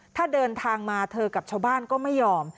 ถ้าเดินทางมาเธอกับชาวบ้านก็ไม่ยอม